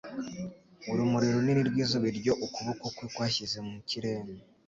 Urumuri runini rw'izuba iryo ukuboko kwe kwashyize mu kirere,